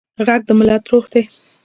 غږ د ملت روح دی